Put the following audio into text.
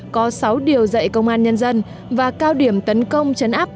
có sáu điều dạy công an nhân dân